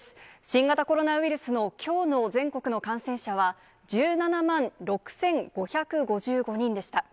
新型コロナウイルスのきょうの全国の感染者は、１７万６５５５人でした。